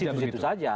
di situ situ saja